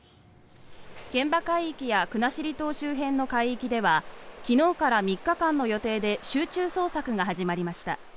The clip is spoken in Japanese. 現場海域や国後島周辺の海域では昨日から３日間の予定で集中捜索が始まりました。